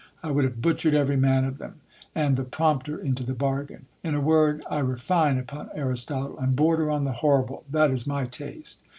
I would have butchered every man of them, and the prompter into the bargain. In a word, I refine upon Aristotle, and border on the horrible, that is my taste.